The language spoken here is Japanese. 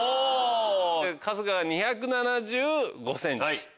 春日が２７５ｃｍ。